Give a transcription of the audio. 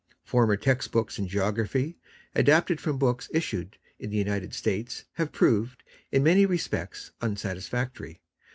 Former text books in Geography adapted from books issued in the United States have proved, in manj' respects, unsatisfactory.